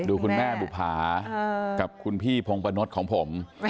คุณแม่บุภากับคุณพี่พงปะนดของผม